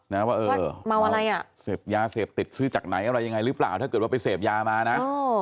นะว่าเออเมาอะไรอ่ะเสพยาเสพติดซื้อจากไหนอะไรยังไงหรือเปล่าถ้าเกิดว่าไปเสพยามานะเออ